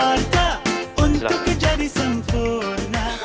perlu harta untuk kejadisan purna